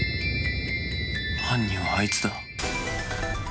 犯人はあいつだ。